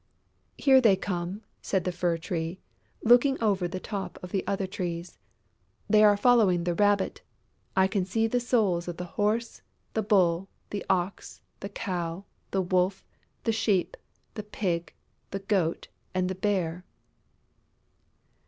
"Here they come!" said the Fir tree, looking over the top of the other Trees. "They are following the Rabbit.... I can see the souls of the Horse, the Bull, the Ox, the Cow, the Wolf, the Sheep, the Pig, the Goat, and the Bear...."